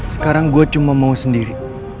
sekarang gue cuma mau sendiri